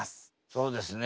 そうですね。